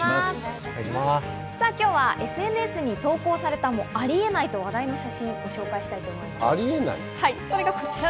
今日はＳＮＳに投稿された、ありえないと話題の写真をご紹介します。